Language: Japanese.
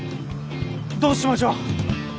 どうしましょう。